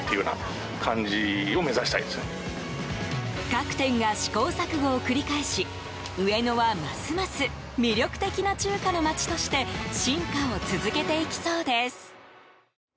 各店が試行錯誤を繰り返し上野はますます魅力的な中華の街として進化を続けていきそうです。